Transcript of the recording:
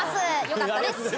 よかったです。